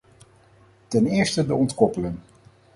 Ten eerste de ontkoppeling.